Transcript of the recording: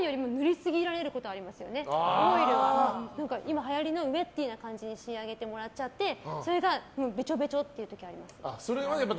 今はやりのウェッティーな感じに仕上げてもらっちゃってそれがベチョベチョという時があります。